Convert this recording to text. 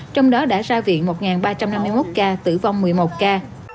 trong đó đã ra viện một ba trăm năm mươi một ca tử vong một mươi một ca